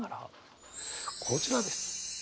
こちらです。